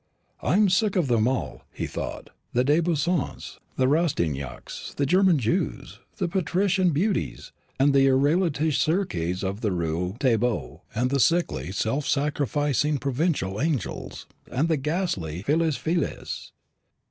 "I'm sick of them all," he thought; "the De Beauseants, and Rastignacs, the German Jews, and the patrician beauties, and the Israelitish Circes of the Rue Taitbout, and the sickly self sacrificing provincial angels, and the ghastly vieilles filles.